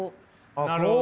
なるほどね。